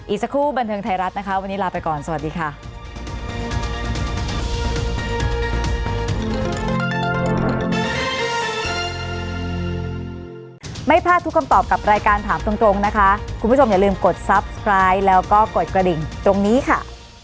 อีซ่าคู่บรรเทิงไทยรัฐวันนี้ลาไปก่อนสวัสดีค่ะ